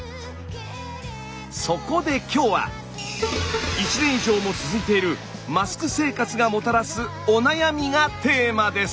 そこで今日は１年以上も続いているマスク生活がもたらすお悩みがテーマです。